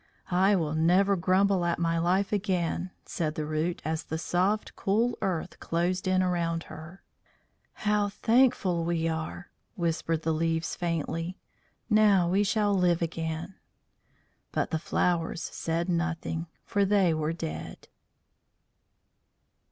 "I will never grumble at my life again," said the Root as the soft cool earth closed in around her. "How thankful we are!" whispered the leaves faintly. "Now we shall live again." But the flowers said nothing, for they were dead.